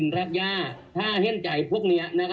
คร้ามวัลงมายากลง